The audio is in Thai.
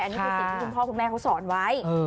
อันนี้คือสิ่งที่คุณพ่อคุณแม่เขาสอนไว้